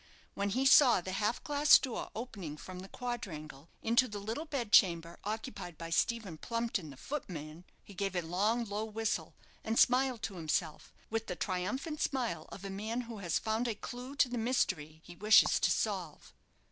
When he saw the half glass door opening from the quadrangle into the little bedchamber occupied by Stephen Plumpton, the footman, he gave a long, low whistle, and smiled to himself, with the triumphant smile of a man who has found a clue to the mystery he wishes to solve.